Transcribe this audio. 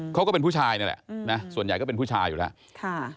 ก็เป็นผู้ชายนั่นแหละนะส่วนใหญ่ก็เป็นผู้ชายอยู่แล้ว